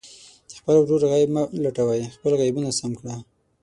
د خپل ورور عیب مه لټوئ، خپل عیبونه سم کړه.